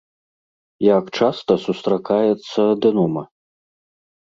Як часта сустракаецца адэнома?